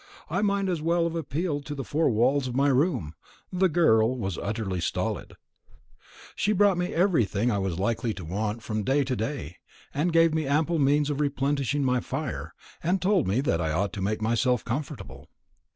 I might as well have appealed to the four walls of my room; the girl was utterly stolid. She brought me everything I was likely to want from day to day, and gave me ample means of replenishing my fire, and told me that I ought to make myself comfortable.